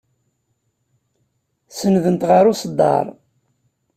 Senndent ɣer uṣeddar.